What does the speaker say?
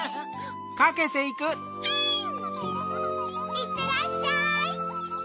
いってらっしゃい！